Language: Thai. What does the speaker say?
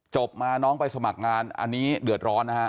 จบมาน้องไปสมัครงานอันนี้เดือดร้อนนะฮะ